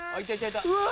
うわ！